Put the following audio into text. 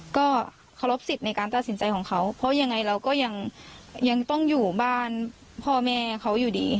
ก็เคารพสิทธิ์ในการตัดสินใจของเขาเพราะยังไงเราก็ยังต้องอยู่บ้านพ่อแม่เขาอยู่ดี